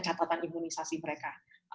catatan imunisasi mereka